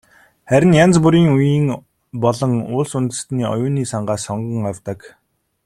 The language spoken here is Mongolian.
Харин янз бүрийн үеийн болон улс үндэстний оюуны сангаас сонгон авдаг.